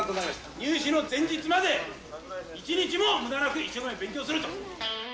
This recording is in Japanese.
入試の前日まで、一日もむだなく一生懸命勉強すると。